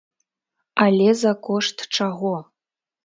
Але за кошт чаго?